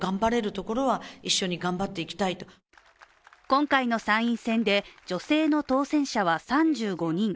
今回の参院選で、女性の当選者は３５人。